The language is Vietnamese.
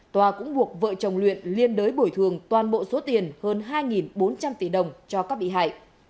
tòa cũng buộc vợ chồng luyện liên đới bồi thường toàn bộ số tiền hơn hai bốn trăm linh tỷ đồng cho các bị hại